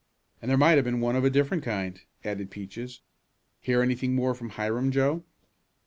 "And there might have been one of a different kind," added Peaches. "Hear anything more from Hiram, Joe?"